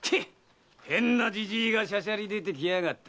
変なじじいがしゃしゃり出てきやがった。